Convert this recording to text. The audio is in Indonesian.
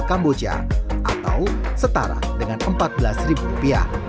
kamboja atau setara dengan rp empat belas